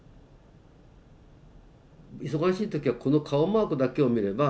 忙しい時はこの顔マークだけを見れば。